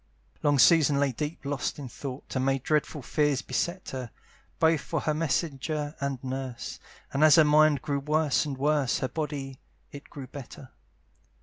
Long Susan lay deep lost in thought, And many dreadful fears beset her, Both for her messenger and nurse; And as her mind grew worse and worse, Her body it grew better.